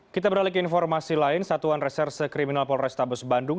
kita beralih ke informasi lain satuan reserse kriminal polrestabes bandung